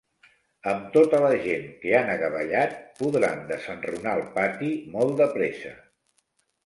Amb tota la gent que han agabellat podran desenrunar el pati molt de pressa.